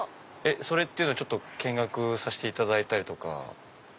それっていうのは見学させていただいたりとか。